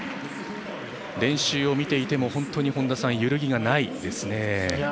練習を見ていても、本当に揺るぎがないですね。